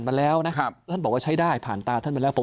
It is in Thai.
พวกเด็กประยุทธ์ไม่พ้น